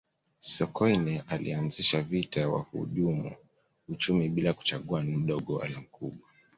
sokoine alianzisha vita ya wahujumu uchumi bila kuchagua mdogo wala mkubwa